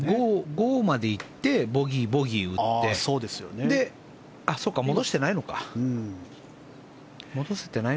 ５まで行ってボギー、ボギー打ってそうか、戻せてないのか。